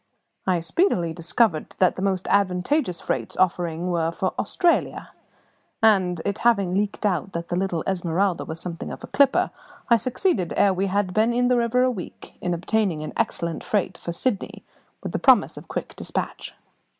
I speedily discovered that the most advantageous freights offering were for Australia; and, it having leaked out that the little Esmeralda was something of a clipper, I succeeded, ere we had been in the river a week, in obtaining an excellent freight for Sydney, with the promise of quick despatch.